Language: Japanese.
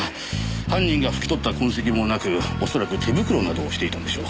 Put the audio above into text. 犯人が拭き取った痕跡もなく恐らく手袋などをしていたんでしょう。